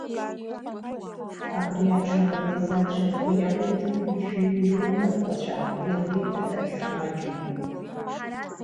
Абри аҽны апартизанцәа, рхы иақәиҭыртәит шәиҩажәаҩык аҭҟәацәа, иргеит аҳәаҭҳа маҷӡамкәа.